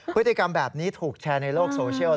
พฤติกรรมแบบนี้ถูกแชร์ในโลกโซเชียล